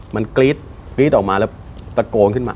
มันกรี๊ดกรี๊ดออกมาแล้วตะโกนขึ้นมา